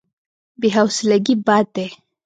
بې حوصلګي بد دی.